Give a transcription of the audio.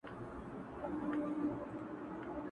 هغه کابل د ښو زلمیو وطن-